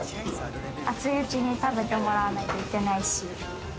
熱いうちに食べてもらわなきゃいけないし。